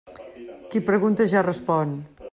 Qui pregunta, ja respon.